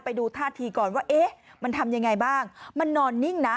ไปดูท่าทีก่อนว่าเอ๊ะมันทำยังไงบ้างมันนอนนิ่งนะ